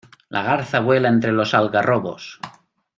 La garza vuela entre los algarrobos.